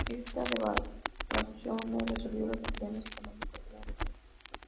Esta devaluación no resolvió los problemas económicos de la región.